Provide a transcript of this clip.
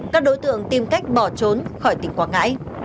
các đối tượng tìm cách bỏ trốn khỏi tỉnh quảng ngãi